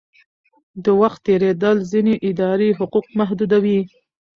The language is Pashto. د وخت تېرېدل ځینې اداري حقوق محدودوي.